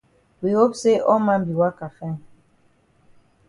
We hope say all man be waka fine.